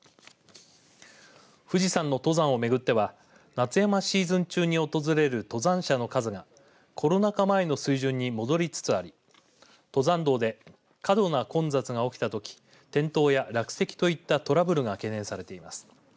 富士山の登山を巡っては夏山シーズン中に訪れる登山者の数がコロナ禍前の水準に戻りつつあり登山道で過度な混雑が起きたとき転倒や落石といったトラブルが懸念されています。